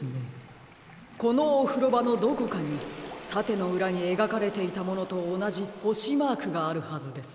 このおふろばのどこかにたてのうらにえがかれていたものとおなじほしマークがあるはずです。